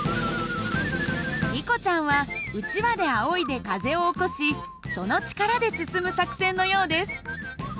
リコちゃんはうちわであおいで風を起こしその力で進む作戦のようです。